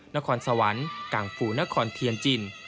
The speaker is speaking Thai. นครสวรรค์กังฟูนครเทียนจิน